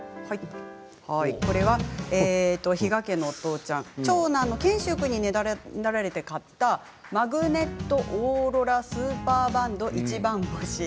これは比嘉家のお父ちゃん、長男賢秀君にねだられて買ったマグネット・オーロラ・スーパーバンド・一番星。